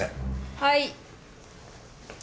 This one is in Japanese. はい。